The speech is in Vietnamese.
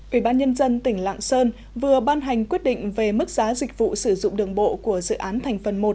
ủy ban nhân dân tỉnh lạng sơn vừa ban hành quyết định về mức giá dịch vụ sử dụng đường bộ của dự án thành phần một